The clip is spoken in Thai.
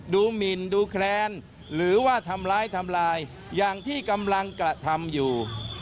หมินดูแคลนหรือว่าทำร้ายทำลายอย่างที่กำลังกระทำอยู่